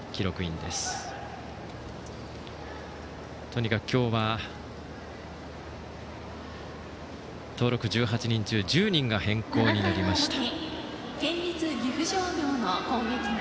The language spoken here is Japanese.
とにかく今日は登録１８人中１０人が変更になりました。